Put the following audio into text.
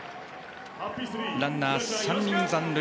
ランナー３人残塁。